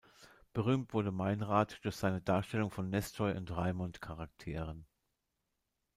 Berühmt wurde Meinrad durch seine Darstellung von Nestroy- und Raimund-Charakteren.